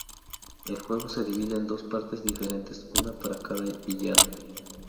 El juego se divide en dos partes diferentes, una para cada villano.